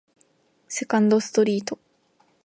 セカンドストリート